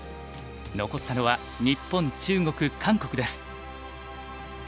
残ったのは日本中国韓国です。